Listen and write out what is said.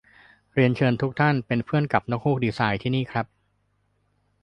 เริยญเชิญทุกท่าน เป็นเพื่อนกับนกฮูกดีไซน์ ที่นี่ครับ